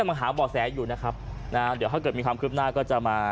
มาหาบ่อแสอยู่นะครับนะเดี๋ยวถ้าเกิดมีความคืบหน้าก็จะมา